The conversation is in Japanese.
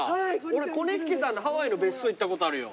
俺小錦さんのハワイの別荘行ったことあるよ。